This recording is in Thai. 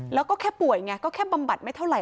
แล้วก็แค่ป่วยไงก็แค่บำบัดไม่เท่าไห